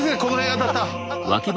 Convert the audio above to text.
当たった。